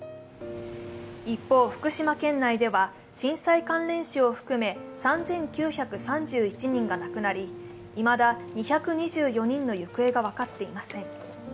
一方、福島県内では震災関連死を含め３９３１人がなくなりいまだ２２４人の行方が分かっていません。